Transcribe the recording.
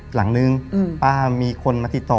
หลังนึงป้ามีคนมาติดต่อ